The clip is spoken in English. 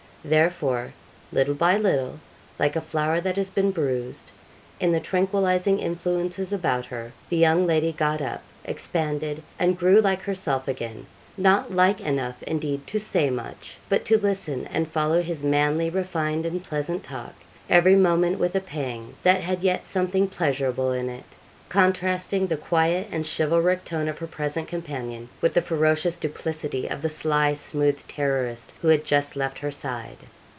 Therefore, little by little, like a flower that has been bruised, in the tranquillising influences about her, the young lady got up, expanded, and grew like herself again not like enough, indeed, to say much, but to listen and follow his manly, refined, and pleasant talk, every moment with a pang, that had yet something pleasurable in it, contrasting the quiet and chivalric tone of her present companion, with the ferocious duplicity of the sly, smooth terrorist who had just left her side.